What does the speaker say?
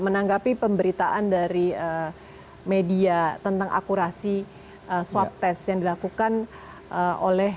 menanggapi pemberitaan dari media tentang akurasi swab test yang dilakukan oleh